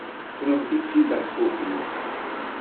Kennemti d timehtufin.